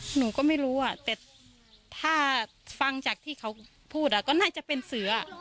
หนูก็ไม่รู้แต่ถ้าฟังจากที่เขาพูดก็น่าจะเป็นเสือ